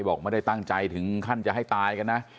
บอกไม่ได้ตั้งใจถึงขั้นจะให้ตายกันนะ